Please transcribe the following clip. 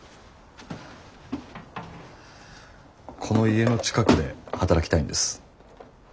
この家の近くで働きたいんです。